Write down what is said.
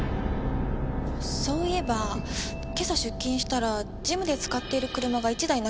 そういえば今朝出勤したらジムで使っている車が１台なくなってたんです。